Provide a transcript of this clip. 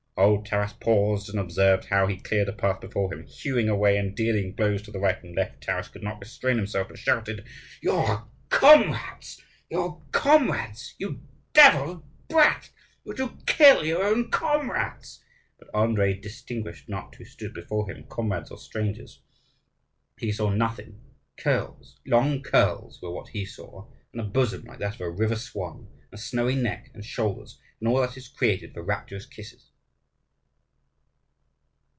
Old Taras paused and observed how he cleared a path before him, hewing away and dealing blows to the right and the left. Taras could not restrain himself, but shouted: "Your comrades! your comrades! you devil's brat, would you kill your own comrades?" But Andrii distinguished not who stood before him, comrades or strangers; he saw nothing. Curls, long curls, were what he saw; and a bosom like that of a river swan, and a snowy neck and shoulders, and all that is created for rapturous kisses.